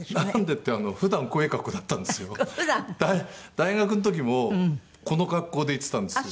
大学の時もこの格好で行ってたんですよ。